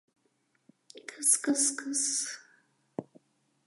— Кыс-кыс-кыс».